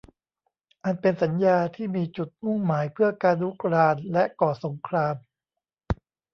อันเป็นสัญญาที่มีจุดมุ่งหมายเพื่อการรุกรานและก่อสงคราม